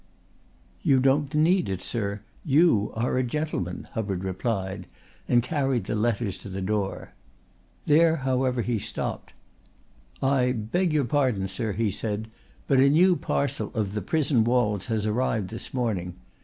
"You don't need it, sir. You are a gentleman," Hubbard replied, and carried the letters to the door. There, however, he stopped. "I beg your pardon, sir," he said, "but a new parcel of The Prison Walls has arrived this morning.